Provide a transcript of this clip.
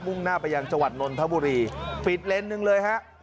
่งหน้าไปยังจังหวัดนนทบุรีปิดเลนส์หนึ่งเลยฮะ